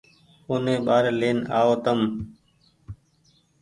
اوني ٻآري لين آئو تم